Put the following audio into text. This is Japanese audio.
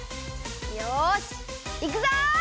よしいくぞ！